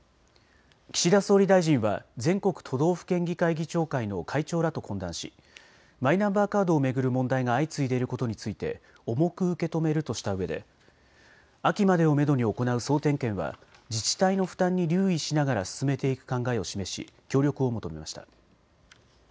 岸田総理大臣は全国都道府県議会議長会の会長らと懇談しマイナンバーカードを巡る問題が相次いでいることについて重く受け止めるとしたうえで秋までをめどに行う総点検は自治体の負担に留意しながら進めていく考えを示し協力を求めました。